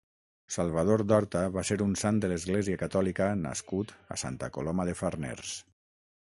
Salvador d'Horta va ser un sant de l'Església Catòlica nascut a Santa Coloma de Farners.